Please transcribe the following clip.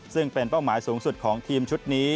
ซึ่งเป็นเป้าหมายสูงสุดของทีมชุดนี้